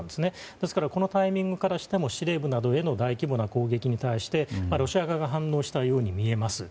ですからこのタイミングからしても司令部などへの大規模な攻撃に対してロシア側が反応したように見えます。